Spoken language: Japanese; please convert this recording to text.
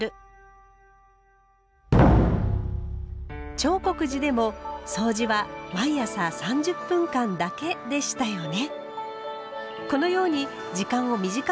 長谷寺でもそうじは毎朝３０分間だけでしたよね。